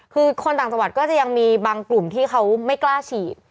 คือคนต่างจังหวัดก็จะยังมีบางกลุ่มที่เขาไม่กล้าฉีด